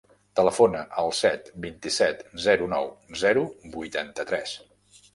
Telefona al set, vint-i-set, zero, nou, zero, vuitanta-tres.